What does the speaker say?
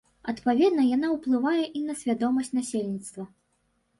Адпаведна, яна ўплывае і на свядомасць насельніцтва.